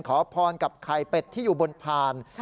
ขอพรกับไข่เป็ดที่อยู่บนพาน